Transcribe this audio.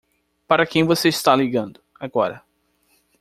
Para quem você está ligando agora?